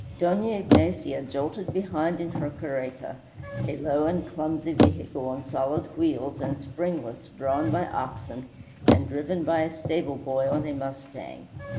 Dona Ignacia jolted behind in her carreta, a low and clumsy vehicle, on solid wheels and springless, drawn by oxen, and driven by a stable boy on a mustang.